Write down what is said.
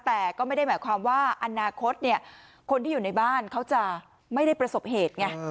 แต่ก็ไม่ได้หมายความว่าอนาคตคนที่อยู่ในบ้านเขาจะไม่ได้ประสบเหตุไง